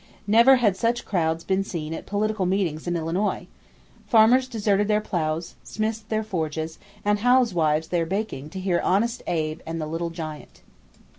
Never had such crowds been seen at political meetings in Illinois. Farmers deserted their plows, smiths their forges, and housewives their baking to hear "Honest Abe" and "the Little Giant."